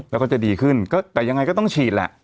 แล้วก็จะดีขึ้นก็แต่ยังไงก็ต้องฉีดแหละ